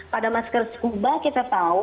pada masker scuba kita tahu